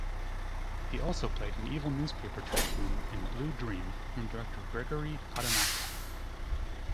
He also played an evil newspaper tycoon in "Blue Dream" from director Gregory Hatanaka.